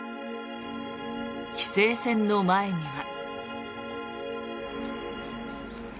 規制線の前には。